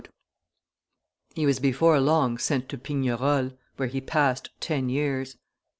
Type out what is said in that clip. He was before long sent to Pignerol, where he passed ten years.